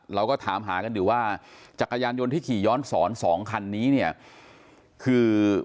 เราก็ถามหากันอยู่ว่าจักรยานยนต์ที่ขี่ย้อนสอนสองคันนี้เนี่ยคือ